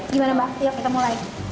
gimana mbak yuk kita mulai